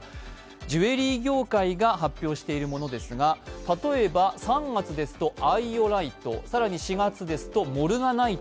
ジュエリー業界が発表しているものですが、例えば３月ですとアイオライト、更に４月ですとモルガナイト。